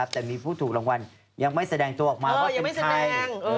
แต่มีผู้ถูกรางวัลยังไม่แสดงตัวออกมาว่าเป็นใคร